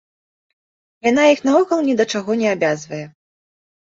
Яна іх наогул ні да чаго не абавязвае.